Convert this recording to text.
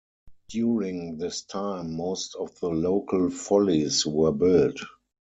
During this time most of the local follies were built.